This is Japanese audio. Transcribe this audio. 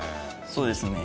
そうですね。